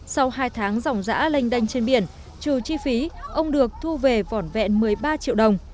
sau hai tháng dòng giã lênh đanh trên biển trừ chi phí ông được thu về vỏn vẹn một mươi ba triệu đồng